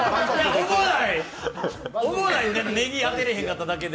重ない、ねぎ当てれへんかっただけで。